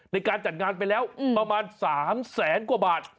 ในการจัดงานไปแล้วประมาณ๓แสนกว่าบาท